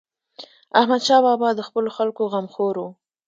احمدشاه بابا د خپلو خلکو غمخور و.